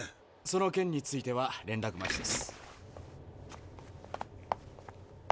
その件については連絡待ちです。